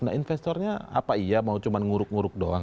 nah investornya apa iya mau cuma nguruk nguruk doang